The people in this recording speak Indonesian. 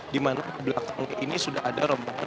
di mana belakang ini sudah ada rombongan